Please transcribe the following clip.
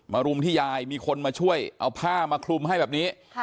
รุมที่ยายมีคนมาช่วยเอาผ้ามาคลุมให้แบบนี้